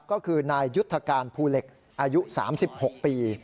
ก็คือนายยุทธการภูเหล็กอายุ๓๖ปี